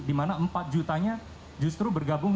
di mana empat jutanya justru bergabung